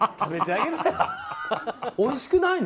おいしくないの？